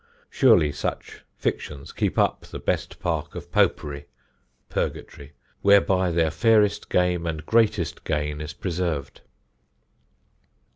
Surely such Fictions keep up the best Park of Popery (Purgatory), whereby their fairest Game and greatest Gaine is preserved."